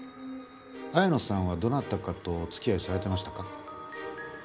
綾野さんはどなたかとお付き合いされてましたか？